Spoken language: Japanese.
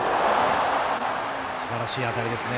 すばらしい当たりですね。